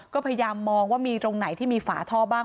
ก็พยายามมองว่ามีตรงไหนที่มีฝาท่อบ้าง